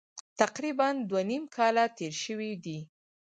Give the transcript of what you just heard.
تقریبا دوه نیم کاله تېر شوي دي.